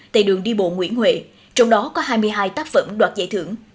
tại đường đi bộ nguyễn huệ trong đó có hai mươi hai tác phẩm đoạt giải thưởng